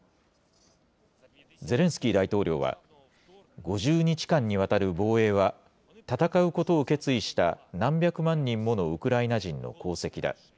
ゼレンスキー大統領は、５０日間にわたる防衛は戦うことを決意した何百万人ものウクライナ人の功績だ。